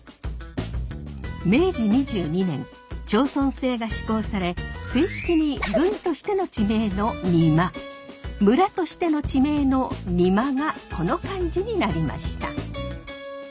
明治２２年町村制が施行され正式に郡としての地名の「邇摩」村としての地名の「仁万」がこの漢字になりました。